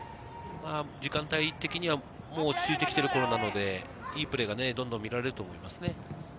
時間帯的には落ち着いてきている頃なのでいいプレーがどんどん見られると思いますね。